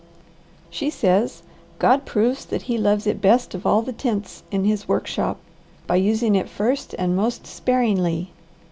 "She says, 'God proves that He loves it best of all the tints in His workshop by using it first and most sparingly.'